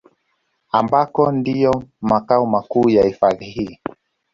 Ambako ndiyo makao makuu ya hifadhi hii